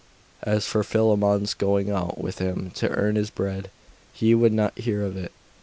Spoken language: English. As for Philammon's going out with him to earn his bread, he would not hear of it.